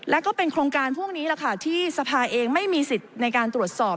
แล้วก็เป็นโครงการพวกนี้แหละค่ะที่สภาเองไม่มีสิทธิ์ในการตรวจสอบ